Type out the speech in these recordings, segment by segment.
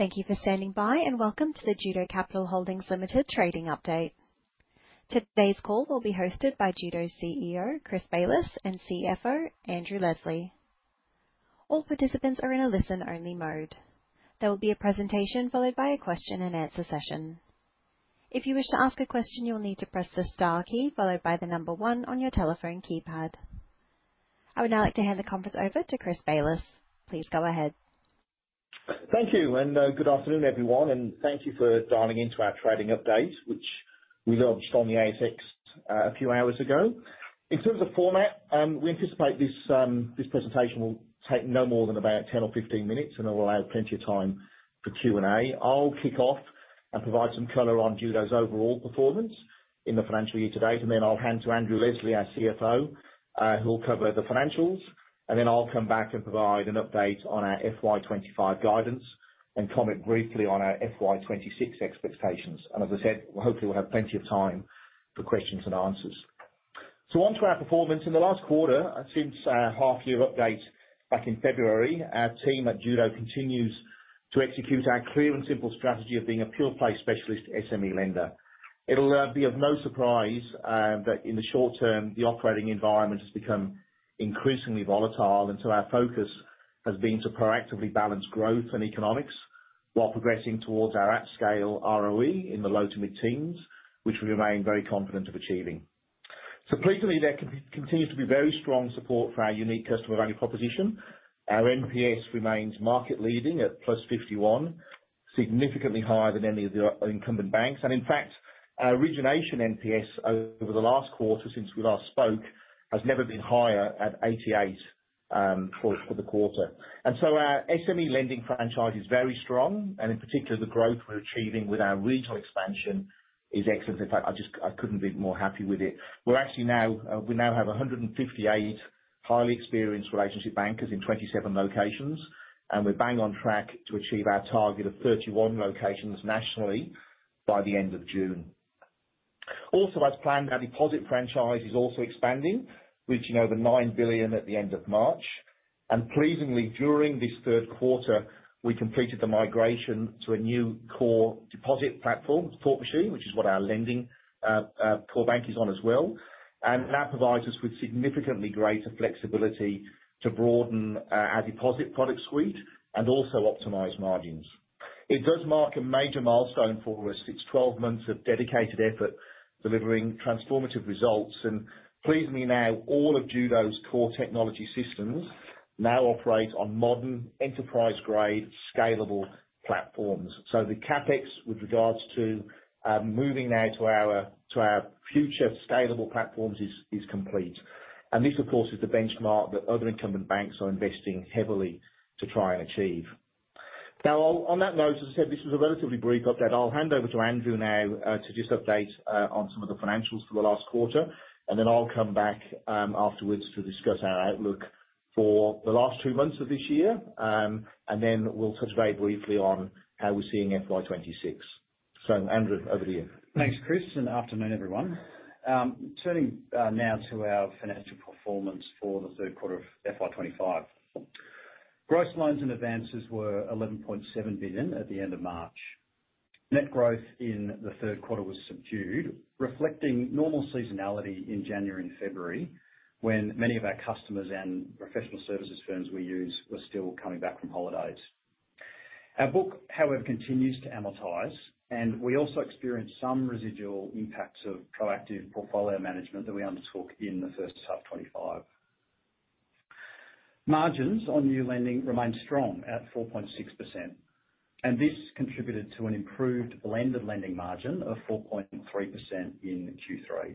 Thank you for standing by, and welcome to the Judo Capital Holdings Limited trading update. Today's call will be hosted by Judo CEO Chris Bayliss, and CFO Andrew Leslie. All participants are in a listen-only mode. There will be a presentation followed by a question-and-answer session. If you wish to ask a question, you'll need to press the star key followed by the number one on your telephone keypad. I would now like to hand the conference over to Chris Bayliss. Please go ahead. Thank you, and good afternoon, everyone. Thank you for dialing into our trading update, which we launched on the ASX a few hours ago. In terms of format, we anticipate this presentation will take no more than about 10 or 15 minutes, and it will allow plenty of time for Q&A. I'll kick off and provide some color on Judo's overall performance in the financial year to date, then I'll hand to Andrew Leslie, our CFO, who'll cover the financials. I'll come back and provide an update on our FY2025 guidance and comment briefly on our FY2026 expectations. As I said, hopefully we'll have plenty of time for questions and answers. On to our performance. In the last quarter, since our half-year update back in February, our team at Judo continues to execute our clear and simple strategy of being a pure-play specialist SME lender. It will be of no surprise that in the short term, the operating environment has become increasingly volatile, and our focus has been to proactively balance growth and economics while progressing towards our at-scale ROE in the low to mid-teens, which we remain very confident of achieving. Pleasingly, there continues to be very strong support for our unique customer value proposition. Our NPS remains market-leading at +51, significantly higher than any of the incumbent banks. In fact, our origination NPS over the last quarter since we last spoke has never been higher at 88 for the quarter. Our SME lending franchise is very strong, and in particular, the growth we're achieving with our regional expansion is excellent. In fact, I couldn't be more happy with it. We now have 158 highly experienced relationship bankers in 27 locations, and we're bang on track to achieve our target of 31 locations nationally by the end of June. Also, as planned, our deposit franchise is also expanding, reaching over 9 billion at the end of March. Pleasingly, during this third quarter, we completed the migration to a new core deposit platform, Temenos, which is what our lending core bank is on as well, and that provides us with significantly greater flexibility to broaden our deposit product suite and also optimize margins. It does mark a major milestone for us. It's 12 months of dedicated effort delivering transformative results. Pleasingly now, all of Judo's core technology systems now operate on modern enterprise-grade, scalable platforms. The CapEx with regards to moving now to our future scalable platforms is complete. This, of course, is the benchmark that other incumbent banks are investing heavily to try and achieve. On that note, as I said, this was a relatively brief update. I'll hand over to Andrew now to just update on some of the financials for the last quarter, and then I'll come back afterwards to discuss our outlook for the last two months of this year, and then we'll touch very briefly on how we're seeing FY26. Andrew, over to you. Thanks, Chris, and afternoon, everyone. Turning now to our financial performance for the third quarter of FY2025, gross loans and advances were 11.7 billion at the end of March. Net growth in the third quarter was subdued, reflecting normal seasonality in January and February when many of our customers and professional services firms we use were still coming back from holidays. Our book, however, continues to amortize, and we also experienced some residual impacts of proactive portfolio management that we undertook in the first half of 2025. Margins on new lending remained strong at 4.6%, and this contributed to an improved blended lending margin of 4.3% in Q3.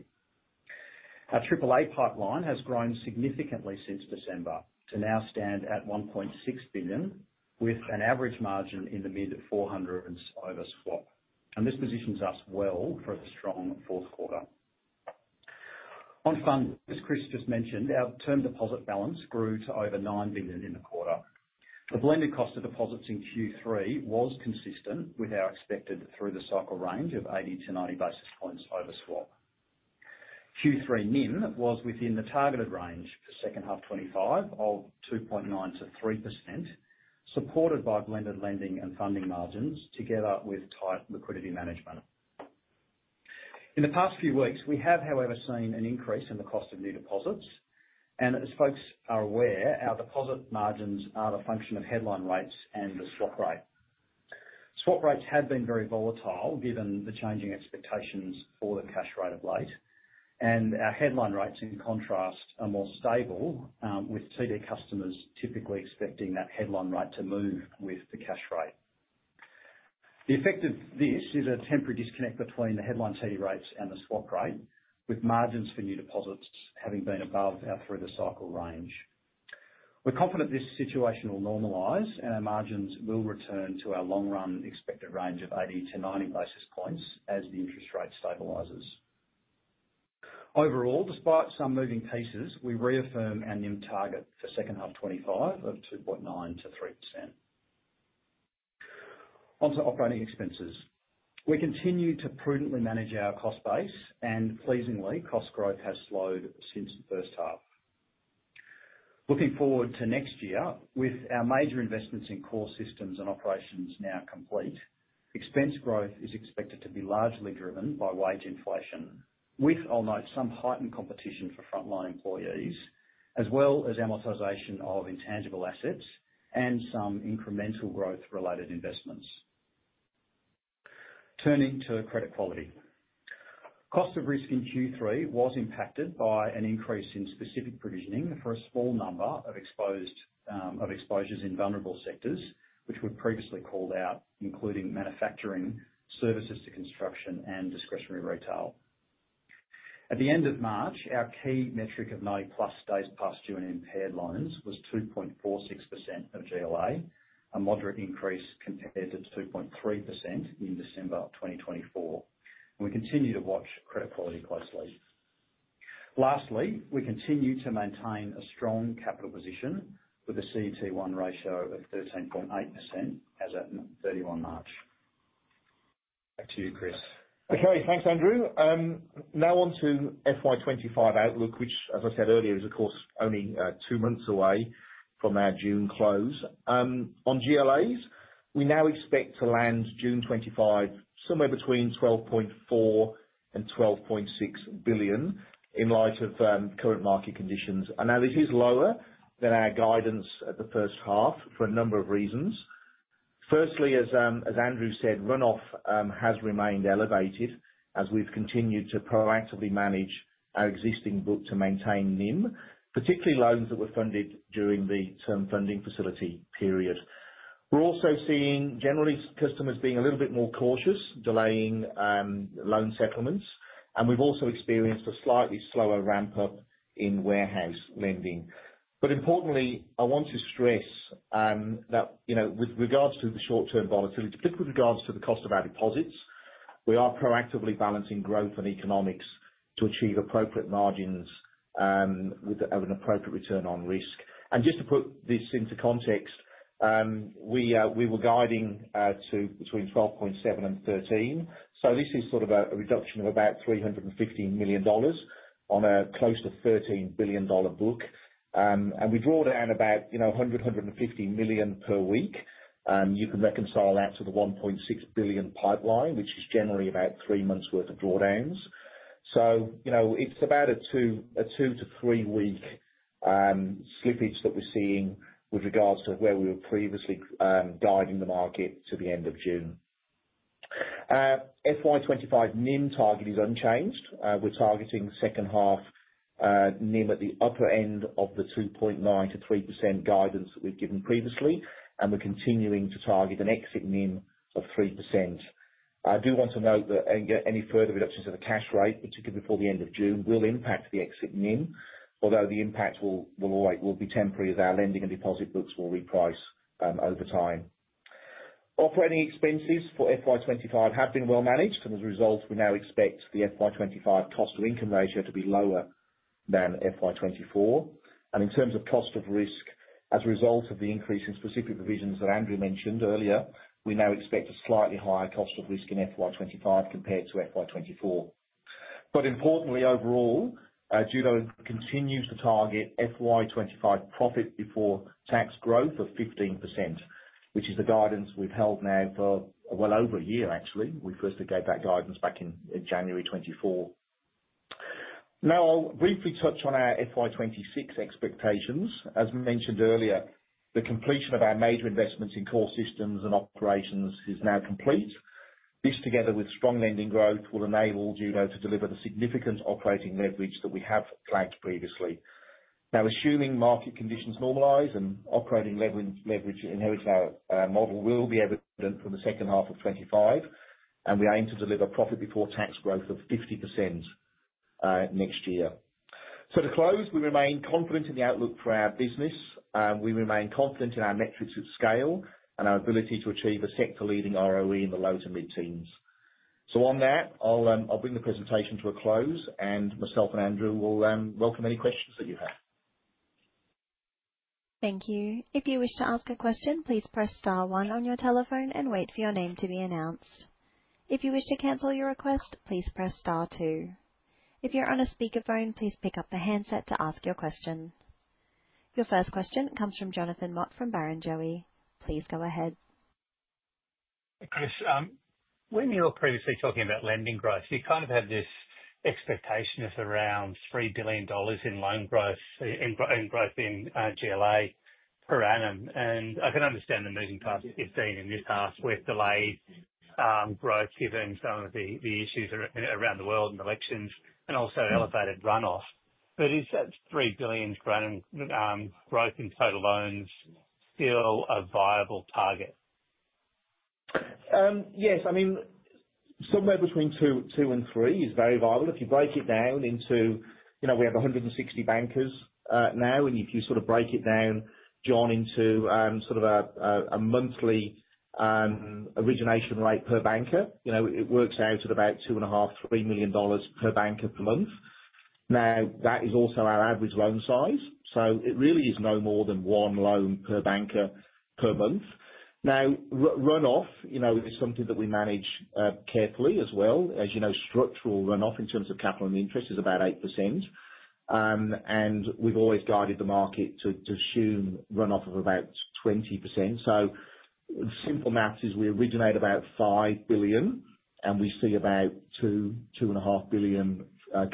Our AAA pipeline has grown significantly since December to now stand at 1.6 billion, with an average margin in the mid 400s over swap. This positions us well for a strong fourth quarter. On funds, as Chris just mentioned, our term deposit balance grew to over 9 billion in the quarter. The blended cost of deposits in Q3 was consistent with our expected through-the-cycle range of 80-90 basis points over swap. Q3 NIM was within the targeted range for second half 2025 of 2.9-3%, supported by blended lending and funding margins together with tight liquidity management. In the past few weeks, we have, however, seen an increase in the cost of new deposits. As folks are aware, our deposit margins are the function of headline rates and the swap rate. Swap rates have been very volatile given the changing expectations for the cash rate of late. Our headline rates, in contrast, are more stable, with term deposit customers typically expecting that headline rate to move with the cash rate. The effect of this is a temporary disconnect between the headline TD rates and the swap rate, with margins for new deposits having been above our through-the-cycle range. We're confident this situation will normalize, and our margins will return to our long-run expected range of 80-90 basis points as the interest rate stabilizes. Overall, despite some moving pieces, we reaffirm our NIM target for second half 2025 of 2.9-3%. Onto operating expenses. We continue to prudently manage our cost base, and pleasingly, cost growth has slowed since the first half. Looking forward to next year, with our major investments in core systems and operations now complete, expense growth is expected to be largely driven by wage inflation, with, I'll note, some heightened competition for frontline employees, as well as amortization of intangible assets and some incremental growth-related investments. Turning to credit quality. Cost of risk in Q3 was impacted by an increase in specific provisioning for a small number of exposures in vulnerable sectors, which we've previously called out, including manufacturing, services to construction, and discretionary retail. At the end of March, our key metric of 90- plus days past due and impaired loans was 2.46% of GLA, a moderate increase compared to 2.3% in December 2024. We continue to watch credit quality closely. Lastly, we continue to maintain a strong capital position with a CET1 ratio of 13.8% as of 31 March. Back to you, Chris. Okay, thanks, Andrew. Now on to FY25 outlook, which, as I said earlier, is, of course, only two months away from our June close. On GLAs, we now expect to land June 2025 somewhere between 12.4 billion and 12.6 billion in light of current market conditions. This is lower than our guidance at the first half for a number of reasons. Firstly, as Andrew said, runoff has remained elevated as we've continued to proactively manage our existing book to maintain NIM, particularly loans that were funded during the term funding facility period. We're also seeing general customers being a little bit more cautious, delaying loan settlements. We've also experienced a slightly slower ramp-up in warehouse lending. Importantly, I want to stress that with regards to the short-term volatility, particularly with regards to the cost of our deposits, we are proactively balancing growth and economics to achieve appropriate margins with an appropriate return on risk. Just to put this into context, we were guiding to between 12.7 and 13. This is a reduction of about 315 million dollars on a close to 13 billion dollar book. We draw down about 100-150 million per week. You can reconcile that to the 1.6 billion pipeline, which is generally about three months' worth of drawdowns. It is about a two to three-week slippage that we are seeing with regards to where we were previously guiding the market to the end of June. FY2025 NIM target is unchanged. We're targeting second half NIM at the upper end of the 2.9-3% guidance that we've given previously, and we're continuing to target an exit NIM of 3%. I do want to note that any further reductions of the cash rate, particularly before the end of June, will impact the exit NIM, although the impact will be temporary as our lending and deposit books will reprice over time. Operating expenses for FY2025 have been well managed, and as a result, we now expect the FY2025 cost-to-income ratio to be lower than FY2024. In terms of cost of risk, as a result of the increase in specific provisions that Andrew mentioned earlier, we now expect a slightly higher cost of risk in FY2025 compared to FY2024. Importantly, overall, Judo continues to target FY2025 profit before tax growth of 15%, which is the guidance we've held now for well over a year, actually. We firstly gave that guidance back in January 2024. Now, I'll briefly touch on our FY2026 expectations. As mentioned earlier, the completion of our major investments in core systems and operations is now complete. This, together with strong lending growth, will enable Judo to deliver the significant operating leverage that we have flagged previously. Now, assuming market conditions normalize and operating leverage inherits our model, it will be evident for the second half of 2025, and we aim to deliver profit before tax growth of 50% next year. To close, we remain confident in the outlook for our business, and we remain confident in our metrics at scale and our ability to achieve a sector-leading ROE in the low to mid-teens. On that, I'll bring the presentation to a close, and myself and Andrew will welcome any questions that you have. Thank you. If you wish to ask a question, please press star one on your telephone and wait for your name to be announced. If you wish to cancel your request, please press star two. If you're on a speakerphone, please pick up the handset to ask your question. Your first question comes from Jonathan Mott from Barrenjoey. Please go ahead. Chris, when you were previously talking about lending growth, you kind of had this expectation of around 3 billion dollars in loan growth in GLA per annum. I can understand the moving past 15 in this past with delayed growth given some of the issues around the world and elections and also elevated runoff. Is that 3 billion per annum growth in total loans still a viable target? Yes. I mean, somewhere between two and three is very viable. If you break it down into we have 160 bankers now, and if you sort of break it down, John, into sort of a monthly origination rate per banker, it works out at about 2.5 million-3 million dollars per banker per month. Now, that is also our average loan size. So it really is no more than one loan per banker per month. Now, runoff is something that we manage carefully as well. As you know, structural runoff in terms of capital and interest is about 8%. We have always guided the market to assume runoff of about 20%. Simple maths is we originate about 5 billion, and we see about 2 billion-2.5 billion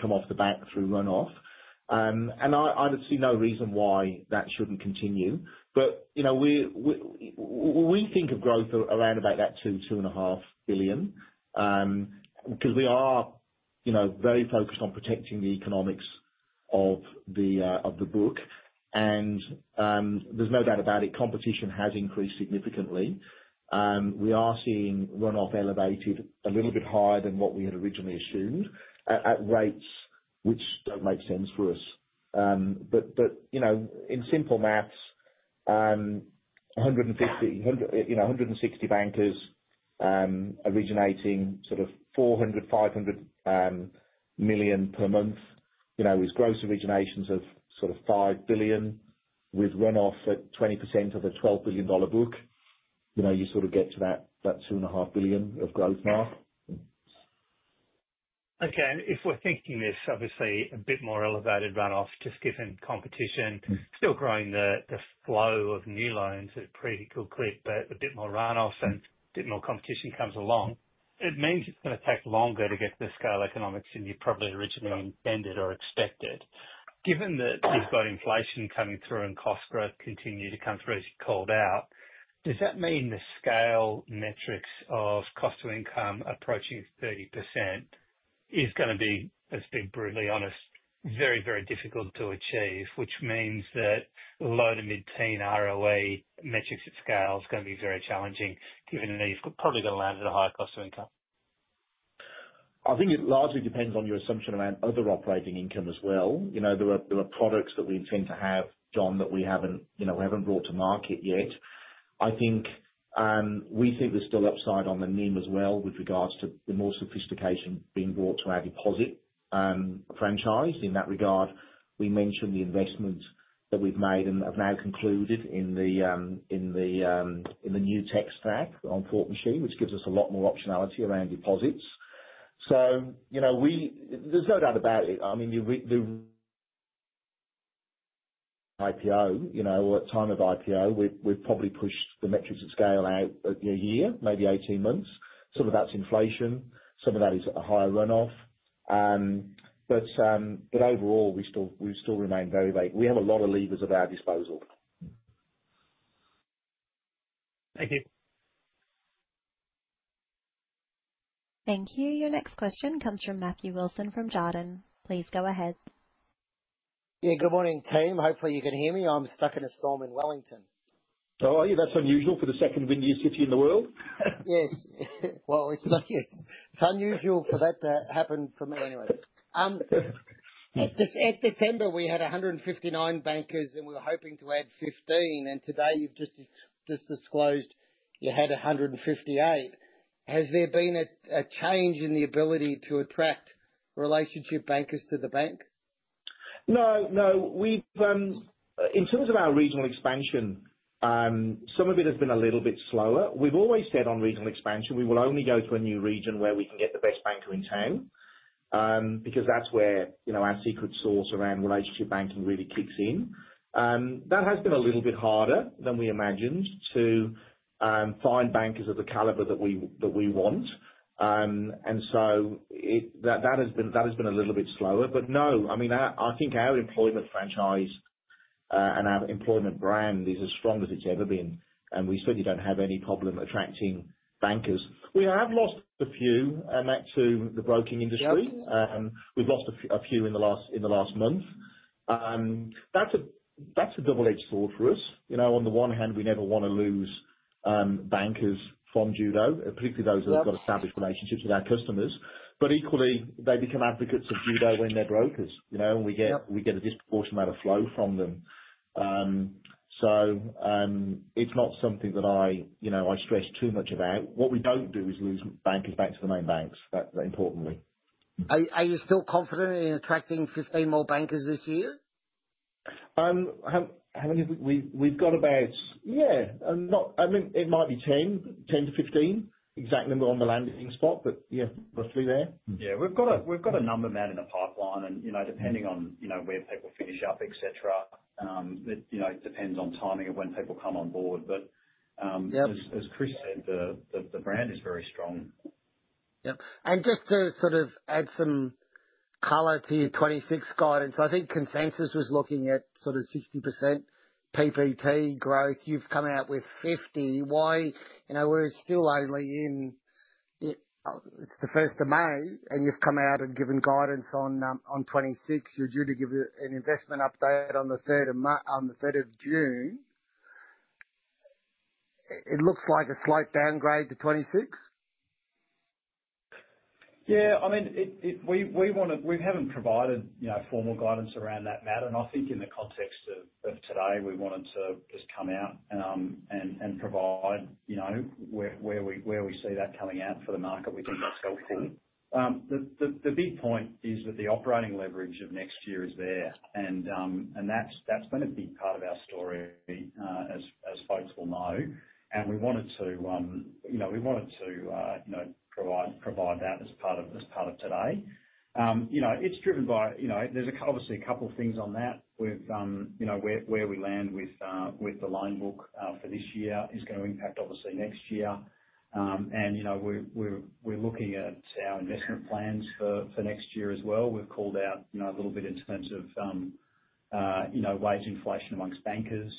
come off the back through runoff. I would see no reason why that should not continue. We think of growth around about that 2 billion to 2.5 billion because we are very focused on protecting the economics of the book. There is no doubt about it. Competition has increased significantly. We are seeing runoff elevated a little bit higher than what we had originally assumed at rates which do not make sense for us. In simple maths, 160 bankers originating sort of 400 million-500 million per month with gross originations of sort of 5 billion with runoff at 20% of a 12 billion dollar book, you sort of get to that 2.5 billion of growth mark. Okay. If we're thinking this, obviously, a bit more elevated runoff, just given competition, still growing the flow of new loans at a pretty good clip, but a bit more runoff and a bit more competition comes along, it means it's going to take longer to get to the scale economics than you probably originally intended or expected. Given that you've got inflation coming through and cost growth continuing to come through as you called out, does that mean the scale metrics of cost-to-income approaching 30% is going to be, let's be brutally honest, very, very difficult to achieve, which means that low to mid-teen ROE metrics at scale is going to be very challenging given that you've probably going to land at a higher cost-to-income? I think it largely depends on your assumption around other operating income as well. There are products that we intend to have, John, that we haven't brought to market yet. I think we think there's still upside on the NIM as well with regards to the more sophistication being brought to our deposit franchise. In that regard, we mentioned the investment that we've made and have now concluded in the new tech stack on Temenos, which gives us a lot more optionality around deposits. There's no doubt about it. I mean, the IPO, at time of IPO, we've probably pushed the metrics at scale out a year, maybe 18 months. Some of that's inflation. Some of that is a higher runoff. Overall, we still remain very late. We have a lot of levers at our disposal. Thank you. Thank you. Your next question comes from Matthew Wilson from UBS. Please go ahead. Yeah, good morning, team. Hopefully, you can hear me. I'm stuck in a storm in Wellington. Oh, yeah, that's unusual for the second windiest city in the world. Yes. Well, it's unusual for that to happen for me anyway. At December, we had 159 bankers, and we were hoping to add 15. And today, you've just disclosed you had 158. Has there been a change in the ability to attract relationship bankers to the bank? No, no. In terms of our regional expansion, some of it has been a little bit slower. We've always said on regional expansion, we will only go to a new region where we can get the best banker in town because that's where our secret sauce around relationship banking really kicks in. That has been a little bit harder than we imagined to find bankers of the caliber that we want. That has been a little bit slower. No, I mean, I think our employment franchise and our employment brand is as strong as it's ever been. We certainly don't have any problem attracting bankers. We have lost a few back to the broking industry. We've lost a few in the last month. That's a double-edged sword for us. On the one hand, we never want to lose bankers from Judo, particularly those that have got established relationships with our customers. Equally, they become advocates of Judo when they're brokers. We get a disproportionate amount of flow from them. It is not something that I stress too much about. What we do not do is lose bankers back to the main banks, importantly. Are you still confident in attracting 15 more bankers this year? We've got about, yeah. I mean, it might be 10-15, exact number on the landing spot, but yeah, roughly there. Yeah. We've got a number of men in the pipeline. Depending on where people finish up, it depends on timing of when people come on board. As Chris said, the brand is very strong. Yep. Just to sort of add some color to your 2026 guidance, I think consensus was looking at sort of 60% PPT growth. You've come out with 50%. Why? We're still only in, it's the 1st of May, and you've come out and given guidance on 2026. You're due to give an investment update on the 3rd of June. It looks like a slight downgrade to 2026? Yeah. I mean, we haven't provided formal guidance around that matter. I think in the context of today, we wanted to just come out and provide where we see that coming out for the market. We think that's helpful. The big point is that the operating leverage of next year is there. That's been a big part of our story, as folks will know. We wanted to provide that as part of today. It's driven by there's obviously a couple of things on that with where we land with the loan book for this year is going to impact, obviously, next year. We're looking at our investment plans for next year as well. We've called out a little bit in terms of wage inflation amongst bankers.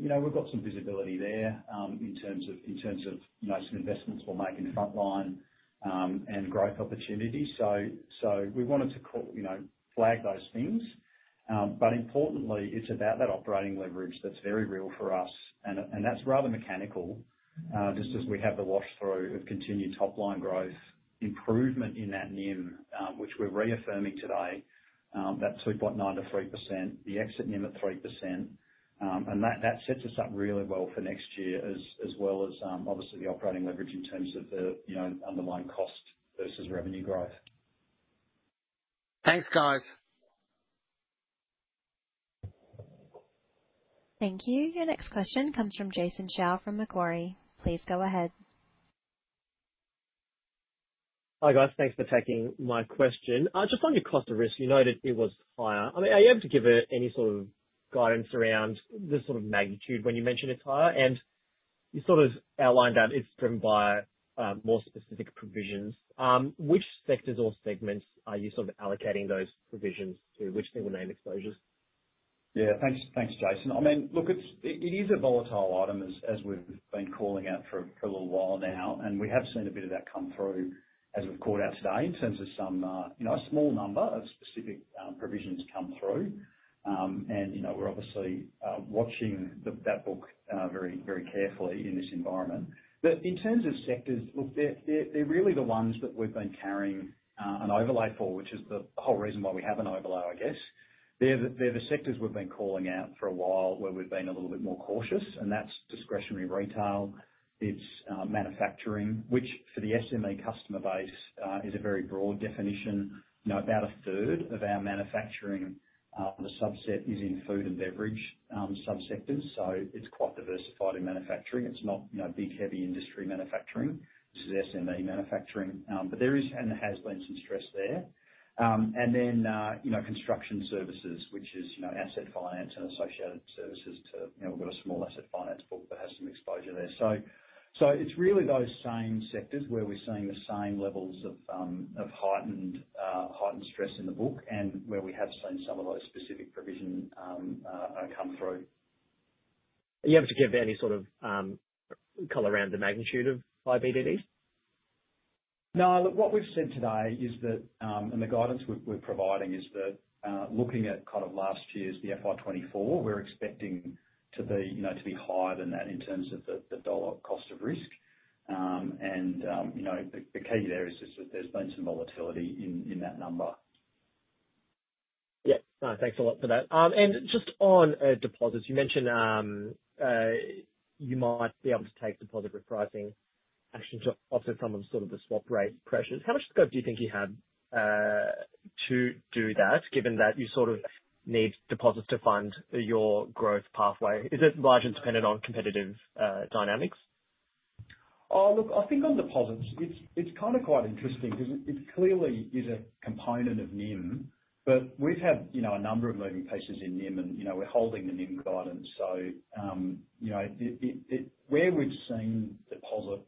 We've got some visibility there in terms of some investments we'll make in frontline and growth opportunities. We wanted to flag those things. Importantly, it's about that operating leverage that's very real for us. That is rather mechanical just as we have the wash through of continued top-line growth, improvement in that NIM, which we are reaffirming today, that 2.9-3%, the exit NIM at 3%. That sets us up really well for next year as well as, obviously, the operating leverage in terms of the underlying cost versus revenue growth. Thanks, guys. Thank you. Your next question comes from Jason Sheel from Macquarie. Please go ahead. Hi, guys. Thanks for taking my question. Just on your cost of risk, you noted it was higher. Are you able to give any sort of guidance around the sort of magnitude when you mentioned it's higher? You sort of outlined that it's driven by more specific provisions. Which sectors or segments are you sort of allocating those provisions to? Which single-name exposures? Yeah. Thanks, Jason. I mean, look, it is a volatile item as we've been calling out for a little while now. We have seen a bit of that come through as we've called out today in terms of a small number of specific provisions come through. We're obviously watching that book very carefully in this environment. In terms of sectors, look, they're really the ones that we've been carrying an overlay for, which is the whole reason why we have an overlay, I guess. They're the sectors we've been calling out for a while where we've been a little bit more cautious. That's discretionary retail. It's manufacturing, which for the SME customer base is a very broad definition. About a third of our manufacturing, the subset, is in food and beverage subsectors. So it's quite diversified in manufacturing. It's not big heavy industry manufacturing. This is SME manufacturing. There is and has been some stress there. Then construction services, which is asset finance and associated services too. We've got a small asset finance book that has some exposure there. It is really those same sectors where we're seeing the same levels of heightened stress in the book and where we have seen some of those specific provisions come through. Are you able to give any sort of color around the magnitude of IBDD? No. Look, what we've said today is that, and the guidance we're providing is that, looking at kind of last year's, the FY24, we're expecting to be higher than that in terms of the dollar cost of risk. The key there is just that there's been some volatility in that number. Yeah. Thanks a lot for that. Just on deposits, you mentioned you might be able to take deposit repricing action to offset some of the swap rate pressures. How much scope do you think you have to do that given that you sort of need deposits to fund your growth pathway? Is it largely dependent on competitive dynamics? Look, I think on deposits, it's kind of quite interesting because it clearly is a component of NIM. We've had a number of moving pieces in NIM, and we're holding the NIM guidance. Where we've seen deposit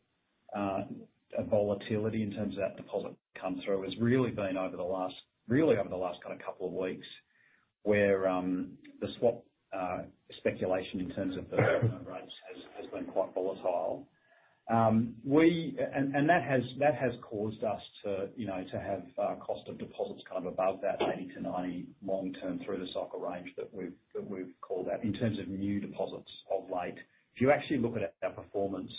volatility in terms of that deposit come through has really been over the last really over the last kind of couple of weeks where the swap speculation in terms of the rates has been quite volatile. That has caused us to have cost of deposits kind of above that 80-90 long-term through the cycle range that we've called out in terms of new deposits of late. If you actually look at our performance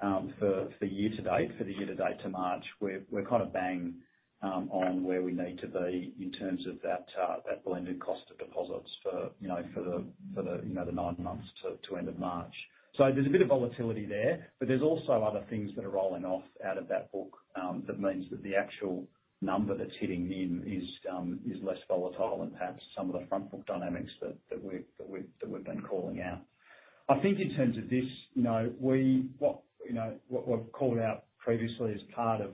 for year to date, for the year to date to March, we're kind of bang on where we need to be in terms of that blended cost of deposits for the nine months to end of March. There is a bit of volatility there. There are also other things that are rolling off out of that book that means that the actual number that's hitting NIM is less volatile than perhaps some of the front book dynamics that we've been calling out. I think in terms of this, what we've called out previously as part of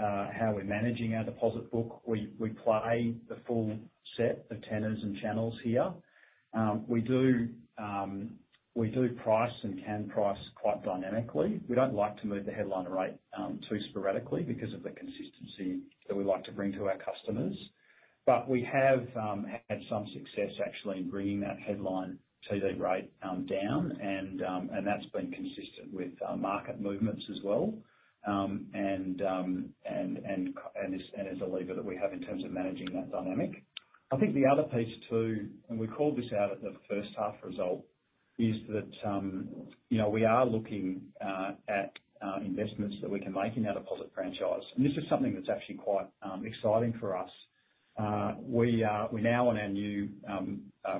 how we're managing our deposit book, we play the full set of tenors and channels here. We do price and can price quite dynamically. We don't like to move the headline rate too sporadically because of the consistency that we like to bring to our customers. We have had some success actually in bringing that headline TD rate down. That has been consistent with market movements as well. It is a lever that we have in terms of managing that dynamic. I think the other piece too, and we called this out at the first half result, is that we are looking at investments that we can make in our deposit franchise. This is something that is actually quite exciting for us. We are now on our new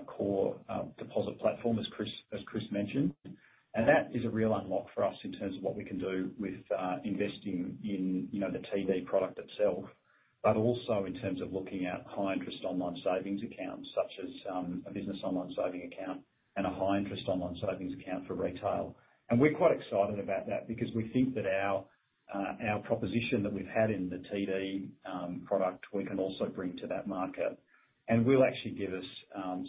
core deposit platform, as Chris mentioned. That is a real unlock for us in terms of what we can do with investing in the TD product itself, but also in terms of looking at high-interest online savings accounts such as a business online savings account and a high-interest online savings account for retail. We are quite excited about that because we think that our proposition that we have had in the TD product, we can also bring to that market. It will actually give us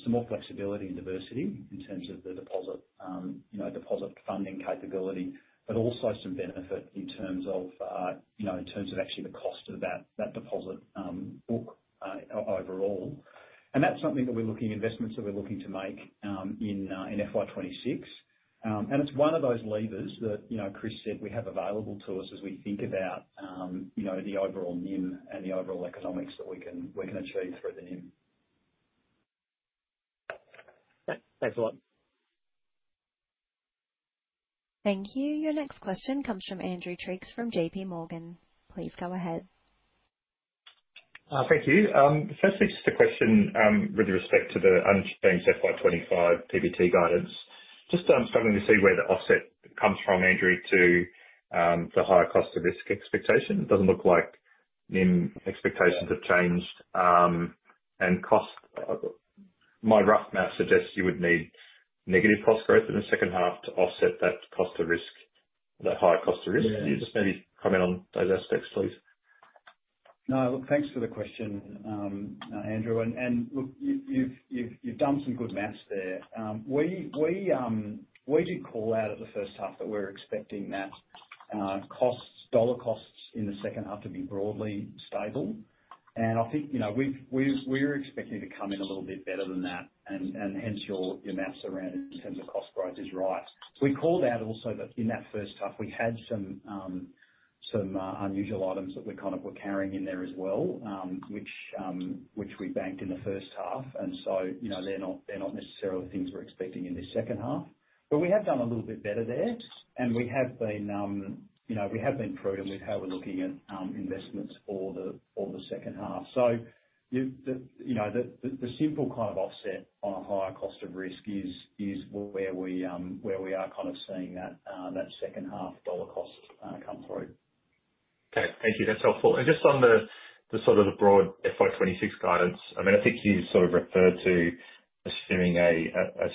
some more flexibility and diversity in terms of the deposit funding capability, but also some benefit in terms of actually the cost of that deposit book overall. That is something that we are looking at, investments that we are looking to make in FY26. It is one of those levers that Chris said we have available to us as we think about the overall NIM and the overall economics that we can achieve through the NIM. Thanks a lot. Thank you. Your next question comes from Andrew Triggs from JP Morgan. Please go ahead. Thank you. Firstly, just a question with respect to the unchanged FI25 PPT guidance. Just struggling to see where the offset comes from, Andrew, to the higher cost of risk expectation. It does not look like NIM expectations have changed. And my rough map suggests you would need negative cost growth in the second half to offset that cost of risk, that higher cost of risk. Could you just maybe comment on those aspects, please? No. Look, thanks for the question, Andrew. Look, you've done some good maths there. We did call out at the first half that we're expecting that dollar costs in the second half to be broadly stable. I think we're expecting to come in a little bit better than that. Hence, your maths around it in terms of cost growth is right. We called out also that in that first half, we had some unusual items that we kind of were carrying in there as well, which we banked in the first half. They're not necessarily things we're expecting in this second half. We have done a little bit better there. We have been prudent with how we're looking at investments for the second half. The simple kind of offset on a higher cost of risk is where we are kind of seeing that second half dollar cost come through. Okay. Thank you. That's helpful. Just on the sort of the broad FI26 guidance, I mean, I think you sort of referred to assuming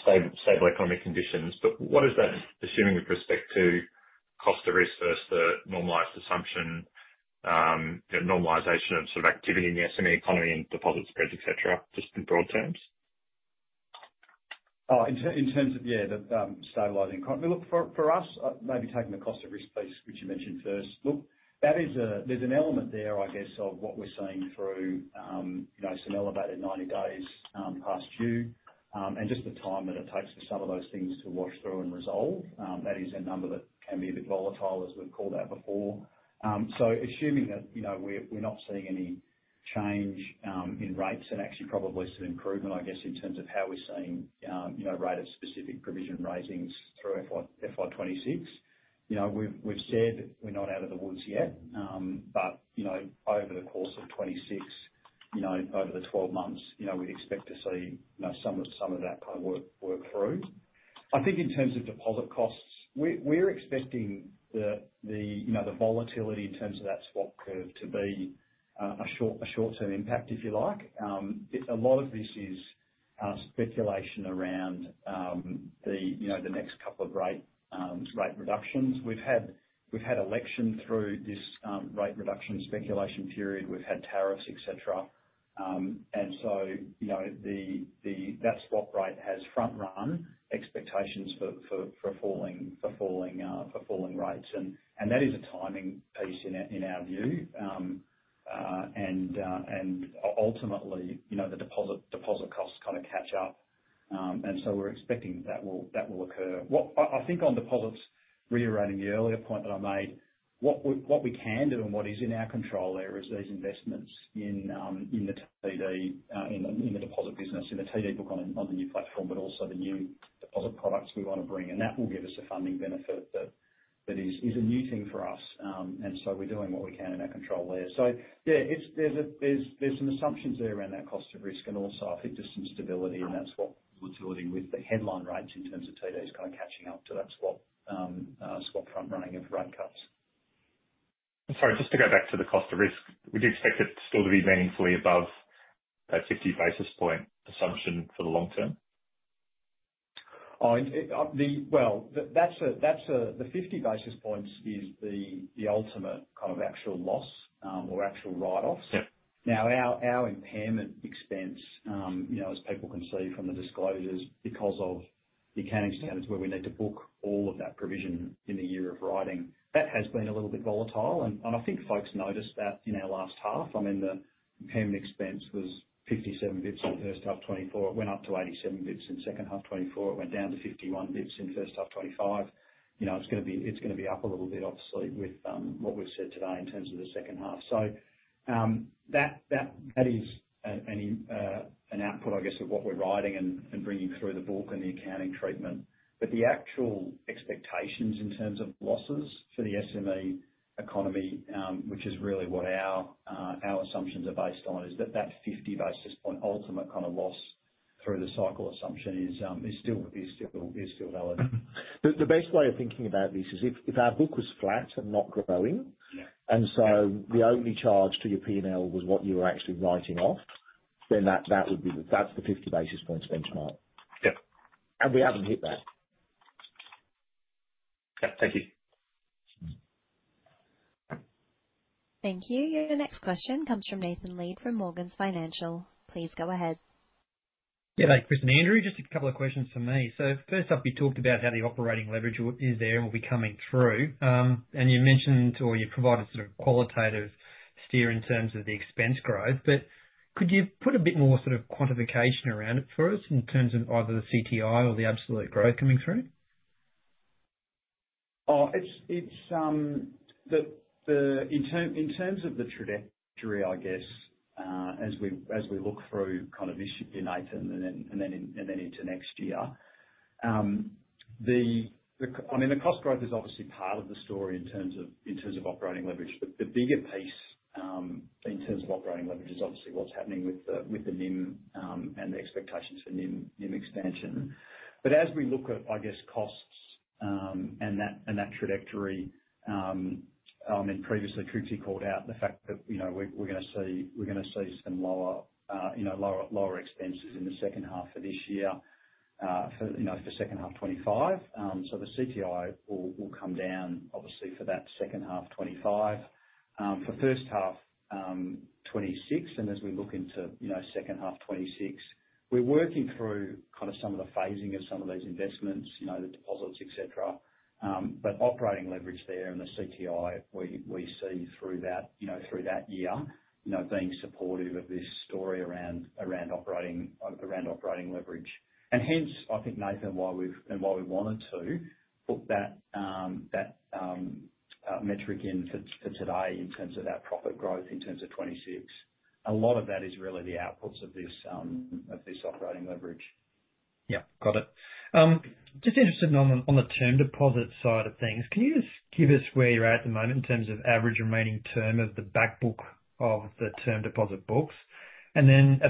stable economic conditions. What does that assuming with respect to cost of risk versus the normalized assumption, normalization of sort of activity in the SME economy and deposit spreads, etc., just in broad terms? In terms of, yeah, the stabilizing economy. Look, for us, maybe taking the cost of risk piece, which you mentioned first, look, there's an element there, I guess, of what we're seeing through some elevated 90 days past due and just the time that it takes for some of those things to wash through and resolve. That is a number that can be a bit volatile, as we've called out before. Assuming that we're not seeing any change in rates and actually probably some improvement, I guess, in terms of how we're seeing rate of specific provision raisings through FY2026, we've said we're not out of the woods yet. Over the course of 2026, over the 12 months, we'd expect to see some of that kind of work through. I think in terms of deposit costs, we're expecting the volatility in terms of that swap curve to be a short-term impact, if you like. A lot of this is speculation around the next couple of rate reductions. We've had election through this rate reduction speculation period. We've had tariffs, etc. That swap rate has front-run expectations for falling rates. That is a timing piece in our view. Ultimately, the deposit costs kind of catch up. We're expecting that will occur. I think on deposits, reiterating the earlier point that I made, what we can do and what is in our control there is those investments in the TD, in the deposit business, in the TD book on the new platform, but also the new deposit products we want to bring. That will give us a funding benefit that is a new thing for us. We are doing what we can in our control there. There are some assumptions there around that cost of risk and also I think just some stability. That is what volatility with the headline rates in terms of term deposits is, kind of catching up to that swap front-running of rate cuts. I'm sorry. Just to go back to the cost of risk, would you expect it still to be meaningfully above that 50 basis point assumption for the long term? The 50 basis points is the ultimate kind of actual loss or actual write-offs. Now, our impairment expense, as people can see from the disclosures, because of the accounting standards where we need to book all of that provision in the year of writing, that has been a little bit volatile. I think folks noticed that in our last half. I mean, the impairment expense was 57 basis points in the first half 2024. It went up to 87 basis points in the second half 2024. It went down to 51 basis points in the first half 2025. It is going to be up a little bit, obviously, with what we have said today in terms of the second half. That is an output, I guess, of what we are writing and bringing through the book and the accounting treatment. The actual expectations in terms of losses for the SME economy, which is really what our assumptions are based on, is that that 50 basis point ultimate kind of loss through the cycle assumption is still valid. The best way of thinking about this is if our book was flat and not growing, and so the only charge to your P&L was what you were actually writing off, then that would be the that's the 50 basis points benchmark. We haven't hit that. Okay. Thank you. Thank you. Your next question comes from Nathan Leed from Morgans Financial. Please go ahead. Yeah. Thank you, Chris and Andrew. Just a couple of questions for me. First off, you talked about how the operating leverage is there and will be coming through. You mentioned or you provided sort of qualitative steer in terms of the expense growth. Could you put a bit more sort of quantification around it for us in terms of either the CTI or the absolute growth coming through? In terms of the trajectory, I guess, as we look through kind of this year and then into next year, I mean, the cost growth is obviously part of the story in terms of operating leverage. The bigger piece in terms of operating leverage is obviously what's happening with the NIM and the expectations for NIM expansion. As we look at, I guess, costs and that trajectory, I mean, previously, Triggs called out the fact that we're going to see some lower expenses in the second half of this year for the second half 2025. The CTI will come down, obviously, for that second half 2025. For first half 2026, and as we look into second half 2026, we're working through kind of some of the phasing of some of those investments, the deposits, etc. Operating leverage there and the CTI we see through that year being supportive of this story around operating leverage. Hence, I think, Nathan, and why we wanted to put that metric in for today in terms of that profit growth in terms of 2026. A lot of that is really the outputs of this operating leverage. Yep. Got it. Just interested on the term deposit side of things. Can you just give us where you're at at the moment in terms of average remaining term of the backbook of the term deposit books? At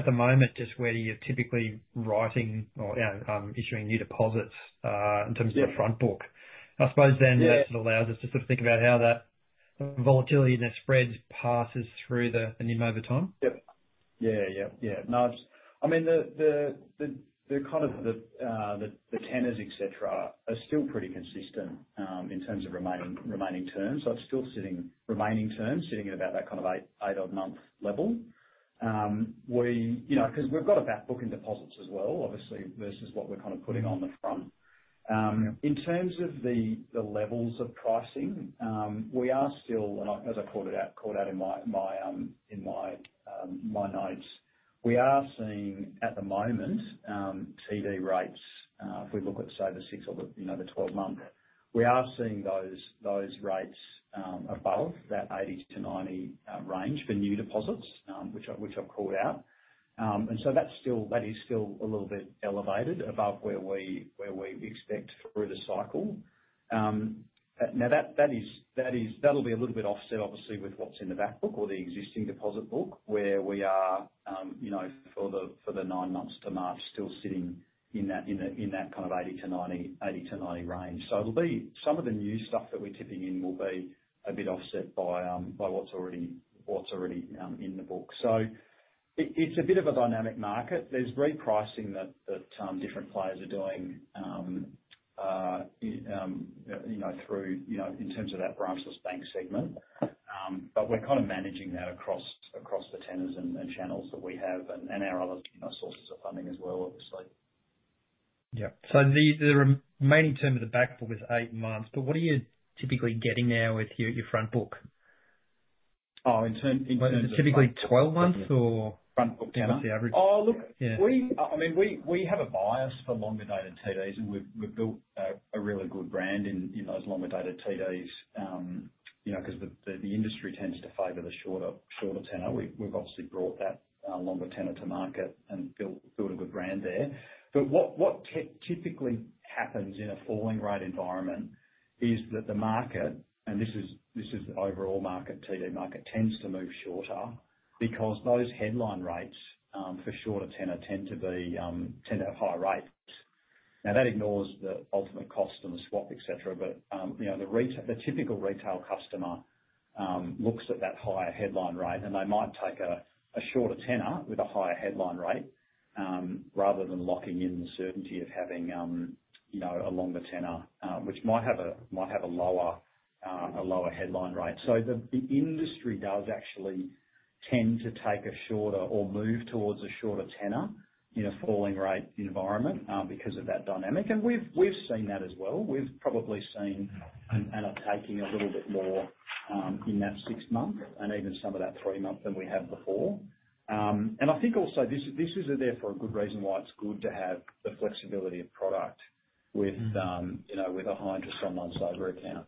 the moment, just where you're typically writing or issuing new deposits in terms of the front book. I suppose that sort of allows us to sort of think about how that volatility and that spreads passes through the NIM over time. Yep. Yeah, yeah, yeah. No, I mean, kind of the tenors, etc., are still pretty consistent in terms of remaining terms. It is still sitting, remaining terms sitting at about that kind of eight-odd month level. Because we have got a backbook and deposits as well, obviously, versus what we are kind of putting on the front. In terms of the levels of pricing, we are still, as I called out in my notes, we are seeing at the moment TD rates, if we look at, say, the six or the 12-month, we are seeing those rates above that 80-90 range for new deposits, which I have called out. That is still a little bit elevated above where we expect through the cycle. Now, that'll be a little bit offset, obviously, with what's in the backbook or the existing deposit book where we are for the nine months to March still sitting in that kind of 80-90 range. Some of the new stuff that we're tipping in will be a bit offset by what's already in the book. It's a bit of a dynamic market. There's repricing that different players are doing through in terms of that branchless bank segment. We're kind of managing that across the tenors and channels that we have and our other sources of funding as well, obviously. Yep. The remaining term of the backbook is eight months. What are you typically getting there with your front book? Oh, in terms of. Is it typically 12 months or? Front book down. Currency average. Oh, look, I mean, we have a bias for longer-dated TDs. We have built a really good brand in those longer-dated TDs because the industry tends to favor the shorter tenor. We have obviously brought that longer tenor to market and built a good brand there. What typically happens in a falling rate environment is that the market, and this is the overall market, TD market, tends to move shorter because those headline rates for shorter tenor tend to have higher rates. That ignores the ultimate cost and the swap, etc. The typical retail customer looks at that higher headline rate, and they might take a shorter tenor with a higher headline rate rather than locking in the certainty of having a longer tenor, which might have a lower headline rate. The industry does actually tend to take a shorter or move towards a shorter tenor in a falling rate environment because of that dynamic. We've seen that as well. We've probably seen an uptick a little bit more in that six-month and even some of that three-month than we had before. I think also this is there for a good reason why it's good to have the flexibility of product with a high-interest online savings account,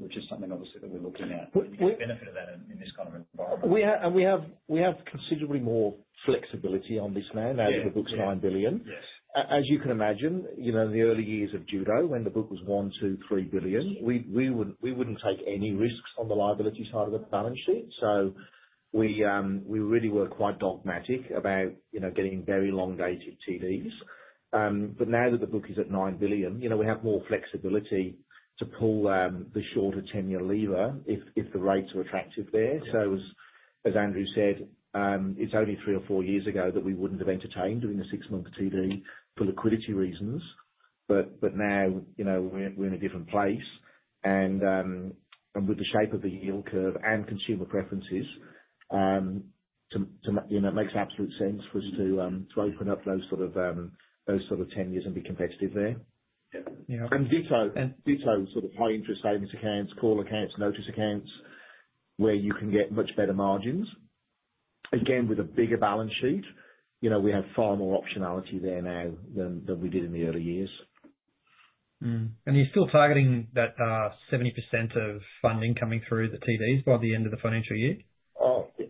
which is something, obviously, that we're looking at. We benefit of that in this kind of environment. We have considerably more flexibility on this now. The book's 9 billion. As you can imagine, in the early years of Judo, when the book was 1 billion, 2 billion, 3 billion, we would not take any risks on the liability side of the balance sheet. We really were quite dogmatic about getting very long-dated TDs. Now that the book is at 9 billion, we have more flexibility to pull the shorter tenure lever if the rates are attractive there. As Andrew said, it is only three or four years ago that we would not have entertained doing a six-month TD for liquidity reasons. Now we are in a different place. With the shape of the yield curve and consumer preferences, it makes absolute sense for us to open up those sort of tenures and be competitive there. VITO, sort of high-interest savings accounts, call accounts, notice accounts where you can get much better margins. Again, with a bigger balance sheet, we have far more optionality there now than we did in the early years. Are you still targeting that 70% of funding coming through the TDs by the end of the financial year?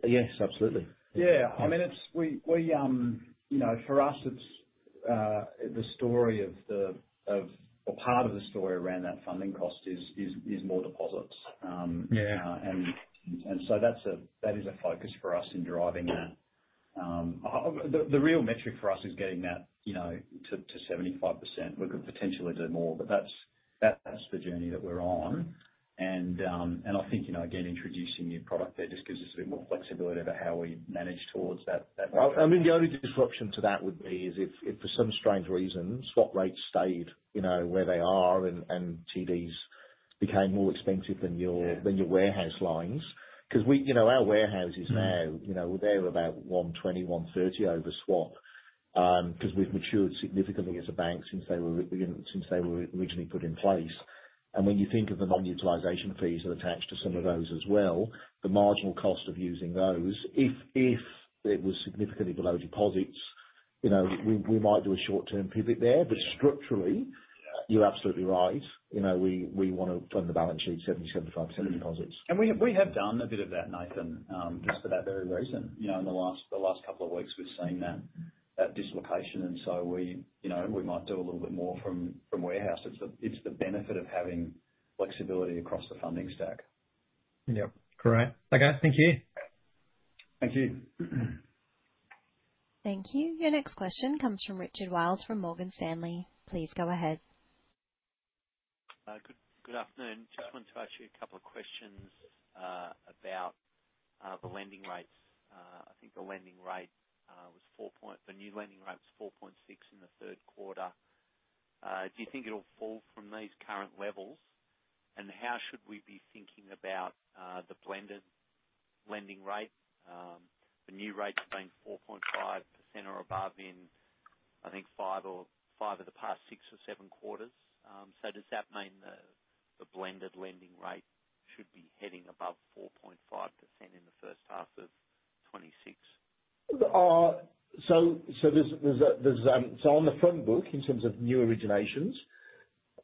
Yes, absolutely. Yeah. I mean, for us, it's the story of or part of the story around that funding cost is more deposits. That is a focus for us in driving that. The real metric for us is getting that to 75%. We could potentially do more, but that's the journey that we're on. I think, again, introducing new product there just gives us a bit more flexibility about how we manage towards that. I mean, the only disruption to that would be if for some strange reason swap rates stayed where they are and TDs became more expensive than your warehouse lines. Because our warehouses now, they're about 120-130 over swap because we've matured significantly as a bank since they were originally put in place. And when you think of the non-utilization fees that are attached to some of those as well, the marginal cost of using those, if it was significantly below deposits, we might do a short-term pivot there. Structurally, you're absolutely right. We want to fund the balance sheet 70-75% deposits. We have done a bit of that, Nathan, just for that very reason. In the last couple of weeks, we've seen that dislocation. We might do a little bit more from warehouse. It's the benefit of having flexibility across the funding stack. Yep. Great. Okay. Thank you. Thank you. Thank you. Your next question comes from Richard Wiles from Morgan Stanley. Please go ahead. Good afternoon. Just wanted to ask you a couple of questions about the lending rates. I think the lending rate was 4. The new lending rate was 4.6 in the third quarter. Do you think it will fall from these current levels? How should we be thinking about the blended lending rate? The new rates are going 4.5% or above in, I think, five of the past six or seven quarters. Does that mean the blended lending rate should be heading above 4.5% in the first half of 2026? On the front book in terms of new originations,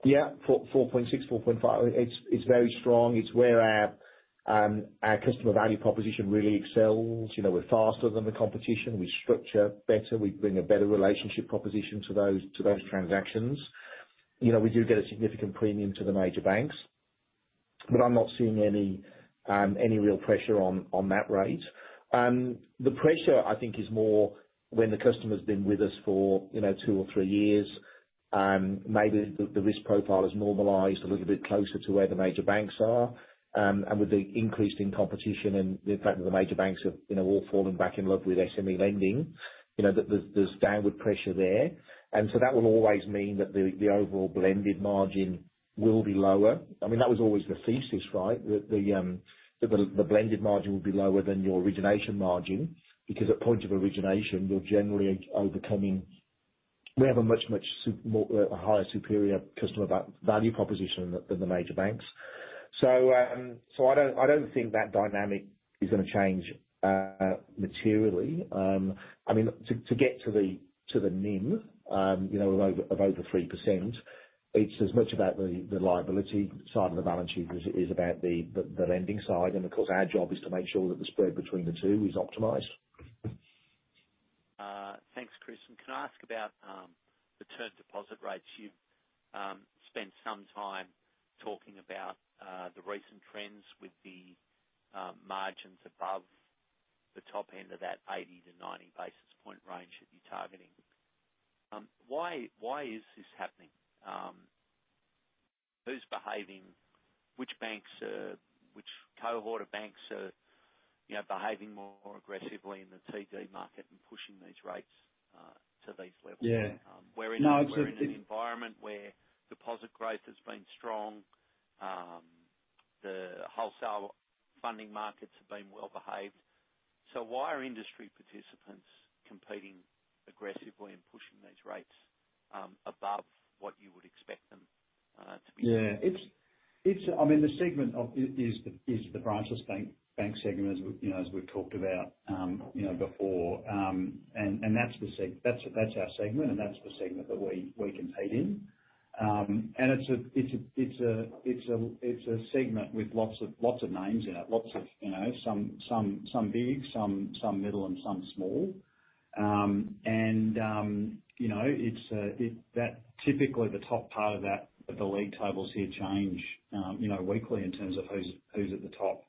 yeah, 4.6, 4.5, it's very strong. It's where our customer value proposition really excels. We're faster than the competition. We structure better. We bring a better relationship proposition to those transactions. We do get a significant premium to the major banks. I'm not seeing any real pressure on that rate. The pressure, I think, is more when the customer's been with us for two or three years, maybe the risk profile has normalized a little bit closer to where the major banks are. With the increase in competition and the fact that the major banks have all fallen back in love with SME lending, there's downward pressure there. That will always mean that the overall blended margin will be lower. I mean, that was always the thesis, right? That the blended margin will be lower than your origination margin because at point of origination, you're generally overcoming. We have a much, much higher superior customer value proposition than the major banks. I don't think that dynamic is going to change materially. I mean, to get to the NIM of over 3%, it's as much about the liability side of the balance sheet as it is about the lending side. Of course, our job is to make sure that the spread between the two is optimized. Thanks, Chris. Can I ask about the term deposit rates? You've spent some time talking about the recent trends with the margins above the top end of that 80-90 basis point range that you're targeting. Why is this happening? Which banks or which cohort of banks are behaving more aggressively in the TD market and pushing these rates to these levels? We're in an environment where deposit growth has been strong. The wholesale funding markets have been well-behaved. Why are industry participants competing aggressively and pushing these rates above what you would expect them to be? Yeah. I mean, the segment is the branchless bank segment, as we've talked about before. That is our segment. That is the segment that we compete in. It is a segment with lots of names in it, some big, some middle, and some small. Typically, the top part of that, the league tables here change weekly in terms of who's at the top.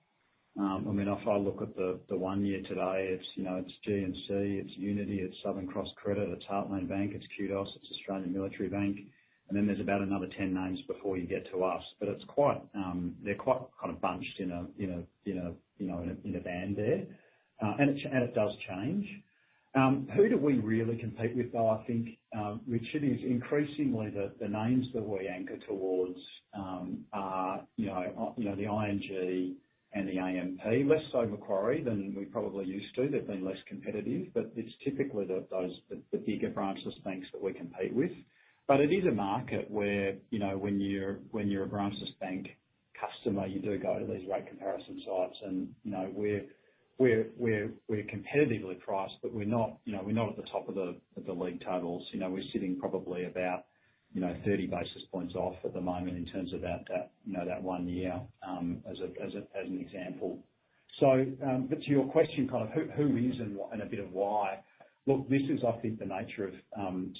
I mean, if I look at the one year to date, it's G&C Mutual Bank, it's Unity Bank, it's Southern Cross Credit Union, it's Heartland Bank, it's Qudos Bank, it's Australian Military Bank. Then there's about another 10 names before you get to us. They are quite kind of bunched in a band there. It does change. Who do we really compete with? I think, Richard, is increasingly the names that we anchor towards are the ING and the AMP, less so Macquarie than we probably used to. They've been less competitive. It is typically the bigger branchless banks that we compete with. It is a market where when you're a branchless bank customer, you do go to these rate comparison sites. We're competitively priced, but we're not at the top of the league tables. We're sitting probably about 30 basis points off at the moment in terms of that one year, as an example. To your question, kind of who is and a bit of why, look, this is, I think, the nature of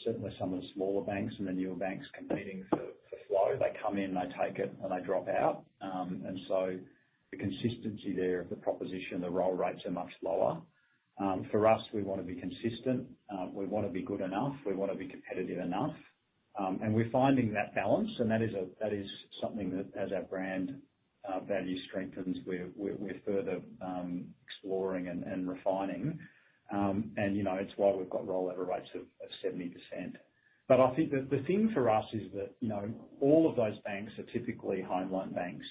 certainly some of the smaller banks and the newer banks competing for flow. They come in, they take it, and they drop out. The consistency there of the proposition, the roll rates are much lower. For us, we want to be consistent. We want to be good enough. We want to be competitive enough. We are finding that balance. That is something that, as our brand value strengthens, we are further exploring and refining. It is why we have got roll-over rates of 70%. I think that the thing for us is that all of those banks are typically homeland banks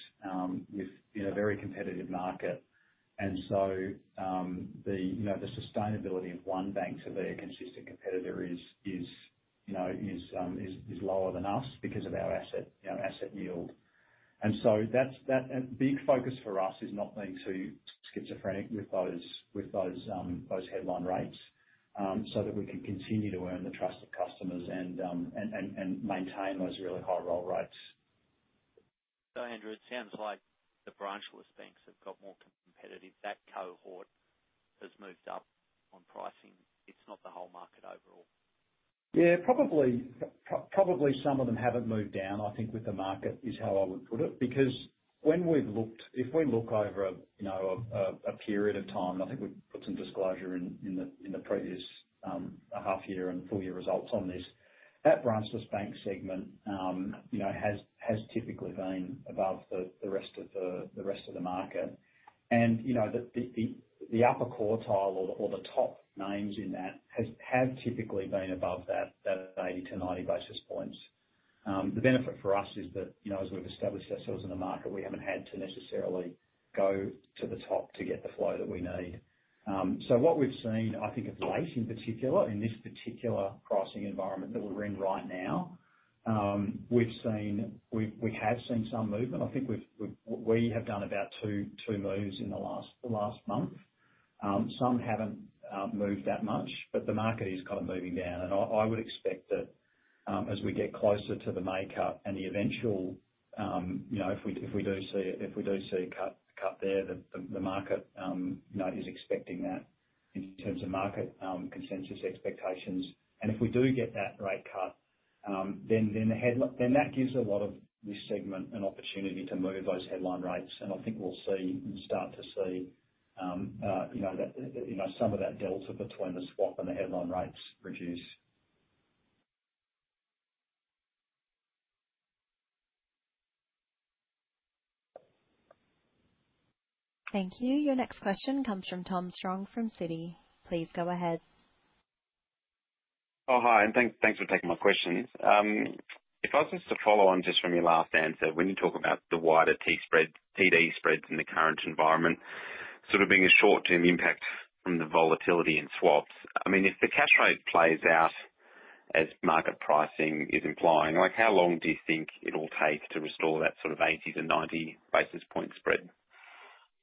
with a very competitive market. The sustainability of one bank to be a consistent competitor is lower than us because of our asset yield. That big focus for us is not going to be schizophrenic with those headline rates so that we can continue to earn the trust of customers and maintain those really high roll rates. Andrew, it sounds like the branchless banks have got more competitive. That cohort has moved up on pricing. It's not the whole market overall. Yeah. Probably some of them haven't moved down, I think, with the market is how I would put it. Because when we've looked, if we look over a period of time, and I think we've put some disclosure in the previous half year and full year results on this, that branchless bank segment has typically been above the rest of the market. And the upper quartile or the top names in that have typically been above that 80-90 basis points. The benefit for us is that, as we've established ourselves in the market, we haven't had to necessarily go to the top to get the flow that we need. What we've seen, I think, of late in particular, in this particular pricing environment that we're in right now, we have seen some movement. I think we have done about two moves in the last month. Some haven't moved that much, but the market is kind of moving down. I would expect that as we get closer to the makeup and the eventual, if we do see a cut there, the market is expecting that in terms of market consensus expectations. If we do get that rate cut, that gives a lot of this segment an opportunity to move those headline rates. I think we'll see and start to see that some of that delta between the swap and the headline rates reduce. Thank you. Your next question comes from Tom Strong from Citi. Please go ahead. Oh, hi. Thanks for taking my question. If I was just to follow on just from your last answer, when you talk about the wider TD spreads in the current environment, sort of being a short-term impact from the volatility in swaps, I mean, if the cash rate plays out as market pricing is implying, how long do you think it will take to restore that sort of 80 to 90 basis point spread?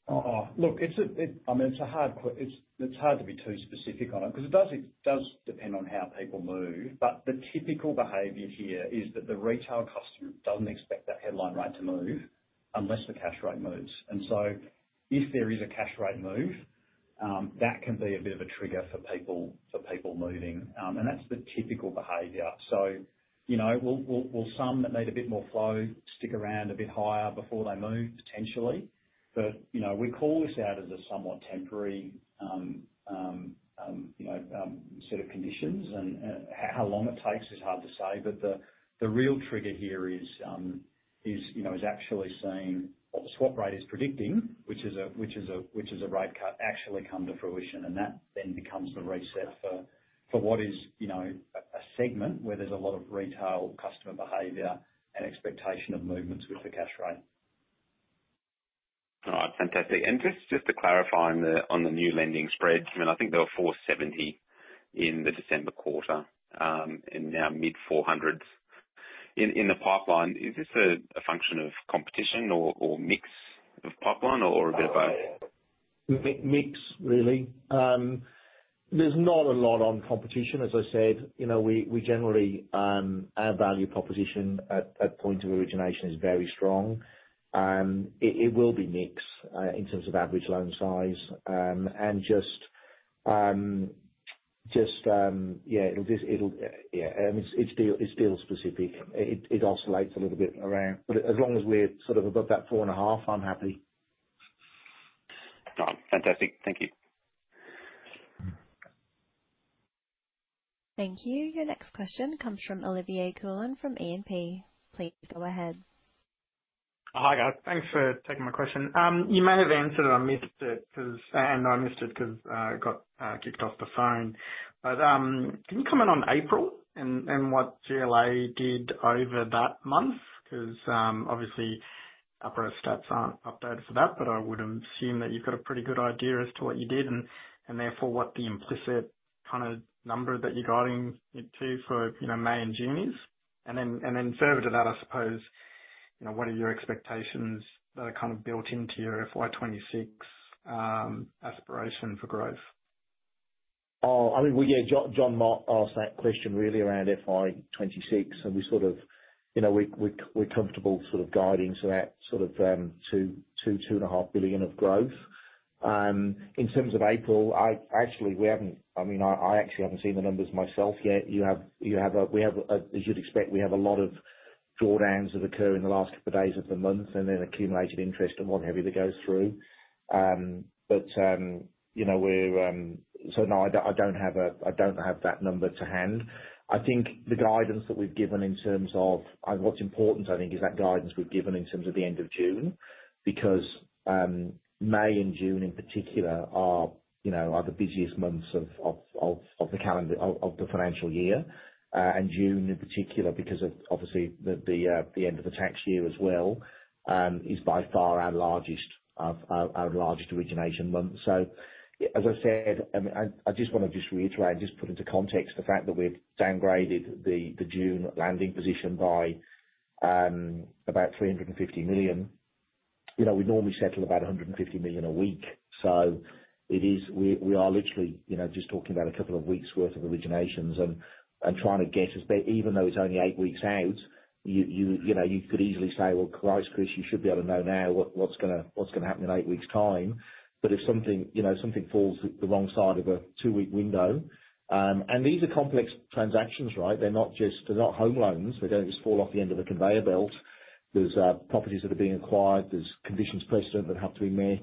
Oh, look, I mean, it's hard to be too specific on it because it does depend on how people move. The typical behavior here is that the retail customer doesn't expect that headline rate to move unless the cash rate moves. If there is a cash rate move, that can be a bit of a trigger for people moving. That's the typical behavior. Will some that need a bit more flow stick around a bit higher before they move, potentially? We call this out as a somewhat temporary set of conditions. How long it takes is hard to say. The real trigger here is actually seeing what the swap rate is predicting, which is a rate cut, actually come to fruition. That then becomes the reset for what is a segment where there is a lot of retail customer behavior and expectation of movements with the cash rate. All right. Fantastic. Just to clarify on the new lending spreads, I mean, I think they were 470 in the December quarter and now mid 400s in the pipeline. Is this a function of competition or mix of pipeline or a bit of both? Mix, really. There is not a lot on competition. As I said, we generally our value proposition at point of origination is very strong. It will be mixed in terms of average loan size. Just, yeah, it will just, yeah, I mean, it is deal-specific. It oscillates a little bit around. As long as we are sort of above that 4.5, I am happy. Got it. Fantastic. Thank you. Thank you. Your next question comes from Olivier Coulon from UBS. Please go ahead. Hi, guys. Thanks for taking my question. You may have answered it. I missed it because I got kicked off the phone. Can you comment on April and what GLA did over that month? Obviously, UpperEarth stats aren't updated for that, but I would assume that you've got a pretty good idea as to what you did and therefore what the implicit kind of number that you're guiding it to for May and June is. Further to that, I suppose, what are your expectations that are kind of built into your FY2026 aspiration for growth? Oh, I mean, yeah, Jonathan Mott asked that question really around FY2026. And we sort of, we're comfortable sort of guiding to that sort of 2-2.5 billion of growth. In terms of April, actually, we haven't—I mean, I actually haven't seen the numbers myself yet. You have a—we have, as you'd expect, we have a lot of drawdowns that occur in the last couple of days of the month and then accumulated interest and what have you that goes through. But we're—no, I don't have a—I don't have that number to hand. I think the guidance that we've given in terms of—and what's important, I think, is that guidance we've given in terms of the end of June because May and June in particular are the busiest months of the calendar, of the financial year. June in particular, because of obviously the end of the tax year as well, is by far our largest origination month. As I said, I just want to reiterate and put into context the fact that we've downgraded the June landing position by about 350 million. We normally settle about 150 million a week. We are literally just talking about a couple of weeks' worth of originations and trying to guess as big, even though it's only eight weeks out, you could easily say, "Guys, Chris, you should be able to know now what's going to happen in eight weeks' time." If something falls the wrong side of a two-week window—and these are complex transactions, right? They're not just—they're not home loans. They don't just fall off the end of a conveyor belt. There's properties that are being acquired. are conditions precedent that have to be met.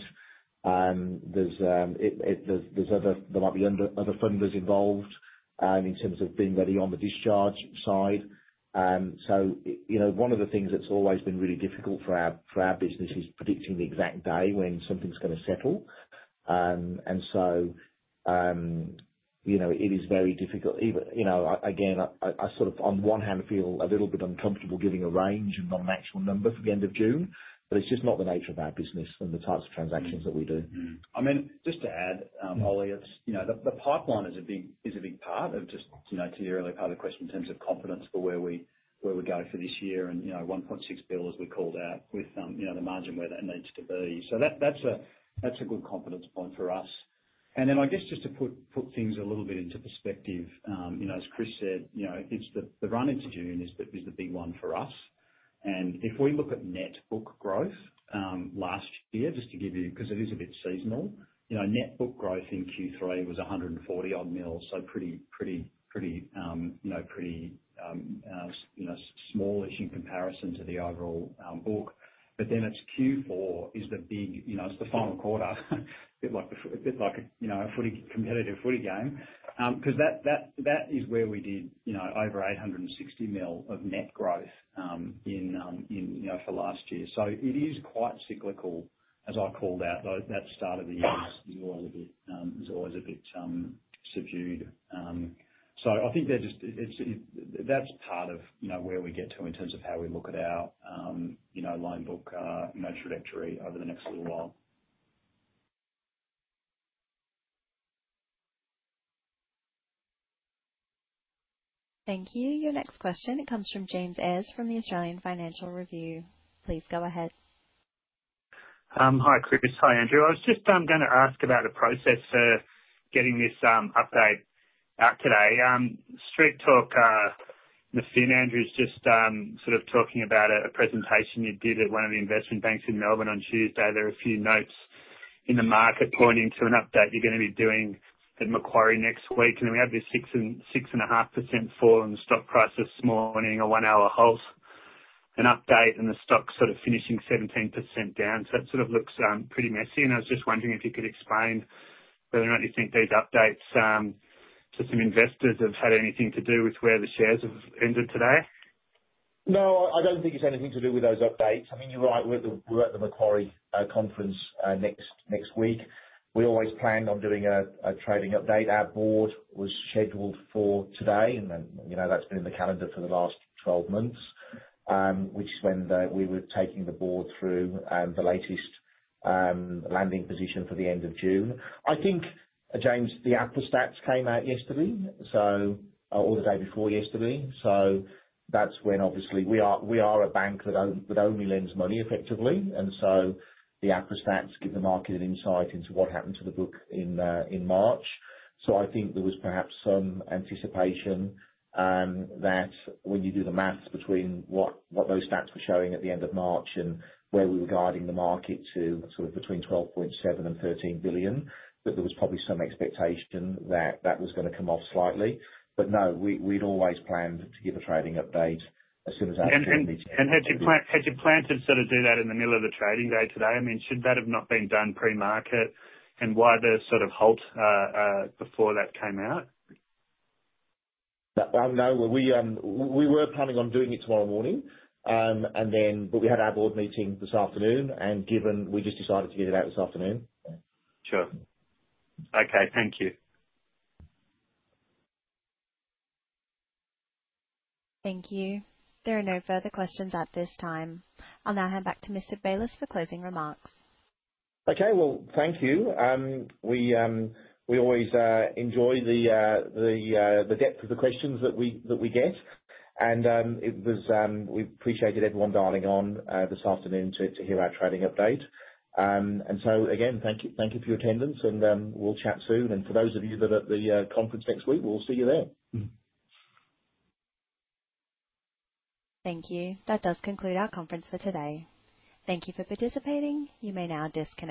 There might be other funders involved in terms of being ready on the discharge side. One of the things that has always been really difficult for our business is predicting the exact day when something is going to settle. It is very difficult. Again, I sort of, on one hand, feel a little bit uncomfortable giving a range and not an actual number for the end of June. It is just not the nature of our business and the types of transactions that we do. I mean, just to add, Ollie, the pipeline is a big part of just to your earlier part of the question in terms of confidence for where we go for this year and 1.6 billion as we called out with the margin where that needs to be. That is a good confidence point for us. I guess just to put things a little bit into perspective, as Chris said, it is the run into June that is the big one for us. If we look at net book growth last year, just to give you—because it is a bit seasonal—net book growth in Q3 was 140-odd million, so pretty, pretty, pretty smallish in comparison to the overall book. It is Q4 that is the big—it is the final quarter, a bit like a competitive footy game. Because that is where we did over 860 million of net growth for last year. It is quite cyclical, as I called out, though. That start of the year is always a bit subdued. I think that's part of where we get to in terms of how we look at our loan book trajectory over the next little while. Thank you. Your next question, it comes from James Eyers from the Australian Financial Review. Please go ahead. Hi, Chris. Hi, Andrew. I was just going to ask about the process for getting this update out today. Street Talk, the Fin, Andrew's just sort of talking about a presentation you did at one of the investment banks in Melbourne on Tuesday. There are a few notes in the market pointing to an update you're going to be doing at Macquarie next week. We had this 6.5% fall in the stock price this morning, a one-hour hold, an update, and the stock sort of finishing 17% down. It sort of looks pretty messy. I was just wondering if you could explain whether or not you think these updates to some investors have had anything to do with where the shares have ended today. No, I don't think it's had anything to do with those updates. I mean, you're right. We're at the Macquarie conference next week. We always plan on doing a trading update. Our board was scheduled for today, and that's been in the calendar for the last 12 months, which is when we were taking the board through the latest landing position for the end of June. I think, James, the APRA stats came out yesterday, or the day before yesterday. That's when obviously we are a bank that only lends money effectively. The APRA stats give the market an insight into what happened to the book in March. I think there was perhaps some anticipation that when you do the maths between what those stats were showing at the end of March and where we were guiding the market to sort of between 12.7 billion and 13 billion, that there was probably some expectation that that was going to come off slightly. No, we'd always planned to give a trading update as soon as our team meets again. Had you planned to sort of do that in the middle of the trading day today? I mean, should that have not been done pre-market? Why the sort of halt before that came out? No. We were planning on doing it tomorrow morning, but we had our board meeting this afternoon. We just decided to get it out this afternoon. Sure. Okay. Thank you. Thank you. There are no further questions at this time. I'll now hand back to Mr. Bayliss for closing remarks. Thank you. We always enjoy the depth of the questions that we get. We appreciated everyone dialing on this afternoon to hear our trading update. Again, thank you for your attendance. We'll chat soon. For those of you that are at the conference next week, we'll see you there. Thank you. That does conclude our conference for today. Thank you for participating. You may now disconnect.